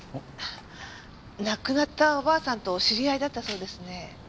亡くなったおばあさんとお知り合いだったそうですね。